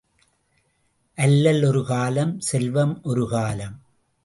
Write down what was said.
அல்லல் ஒரு காலம் செல்வம் ஒரு காலம்.